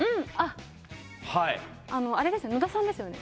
野田さんですよね